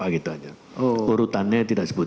gitu saja urutannya tidak sebut